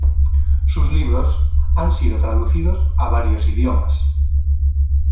Sus libros han sido traducidos a varios idiomas.